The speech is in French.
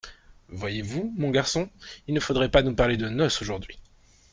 Voyez-vous, mon garçon ! il ne faudrait pas nous parler de noces aujourd’hui !